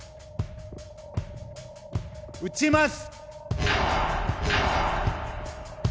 撃ちます！